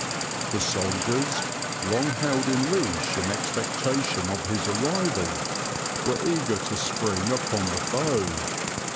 The soldiers, long held in leash in expectation of his arrival, were eager to spring upon the foe.